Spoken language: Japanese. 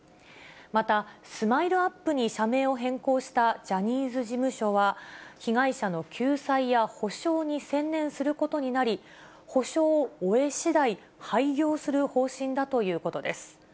またスマイルアップに社名を変更したジャニーズ事務所は、被害者の救済や補償に専念することになり、補償を終えしだい、廃業する方針だということです。